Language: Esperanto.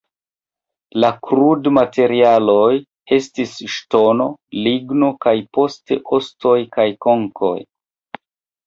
La krudmaterialoj estis ŝtono, ligno kaj poste ostoj kaj konkoj.